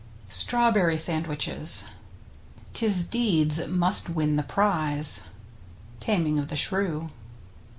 STRAWBERRY SANDWICHES 'Tis deeds must win the prize. — Taming of the Shrew.